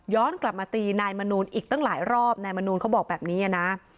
กลับมาตีนายมนูลอีกตั้งหลายรอบนายมนูลเขาบอกแบบนี้นะ